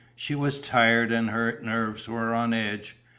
She was tired and her nerves were on edge.